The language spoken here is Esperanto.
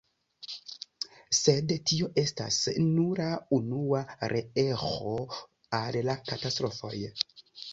Sed tio estas nura unua reeĥo al la katastrofoj.